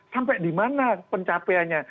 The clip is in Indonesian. sampai di mana pencapaiannya